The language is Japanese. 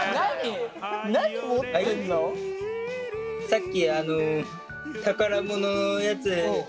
さっき宝物のやつ。